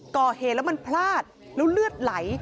ก่อเหรอมันพลาดแล้วเลือดไหล